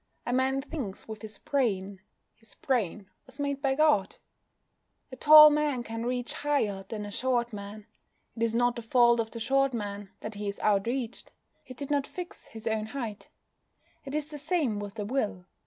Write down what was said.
A man thinks with his brain: his brain was made by God. A tall man can reach higher than a short man. It is not the fault of the short man that he is outreached: he did not fix his own height. It is the same with the will.